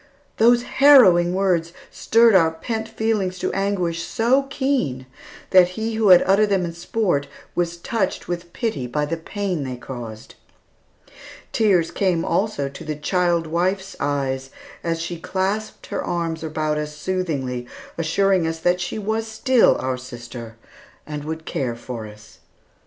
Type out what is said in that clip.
Those harrowing words stirred our pent feelings to anguish so keen that he who had uttered them in sport was touched with pity by the pain they caused. Tears came also to the child wife's eyes as she clasped her arms about us soothingly, assuring us that she was still our sister, and would care for us.